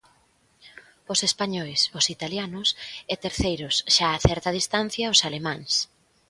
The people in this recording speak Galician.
Os españois, os italianos e terceiros, xa a certa distancia, os alemáns.